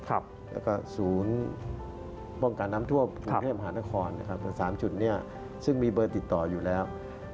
แล้วก็ศูนย์ป้องกันน้ำท่วมกรุงเทพหานครแต่๓จุดนี้ซึ่งมีเบอร์ติดต่ออยู่แล้ว